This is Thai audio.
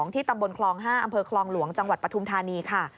ที่ตำบลคลอง๕อำเภอคลองหลวงจังหวัดปฐุมธานีค่ะ